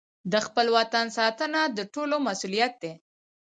د خپل وطن ساتنه د ټولو مسوولیت دی.